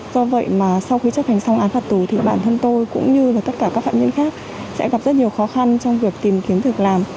do vậy mà sau khi chấp hành xong án phạt tù thì bản thân tôi cũng như là tất cả các phạm nhân khác sẽ gặp rất nhiều khó khăn trong việc tìm kiếm việc làm